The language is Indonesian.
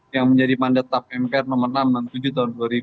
yang menjadi mandat tap mpr nomor enam ratus enam puluh tujuh tahun dua ribu